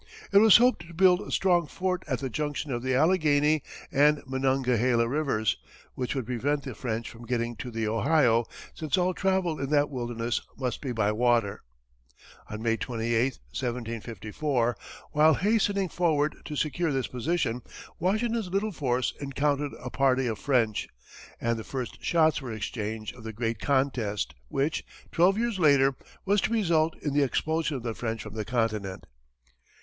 It was hoped to build a strong fort at the junction of the Allegheny and Monongahela rivers, which would prevent the French getting to the Ohio, since all travel in that wilderness must be by water. On May 28, 1754, while hastening forward to secure this position, Washington's little force encountered a party of French, and the first shots were exchanged of the great contest which, twelve years later, was to result in the expulsion of the French from the continent.